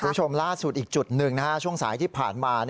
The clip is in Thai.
คุณผู้ชมล่าสุดอีกจุดหนึ่งช่วงสายที่ผ่านมา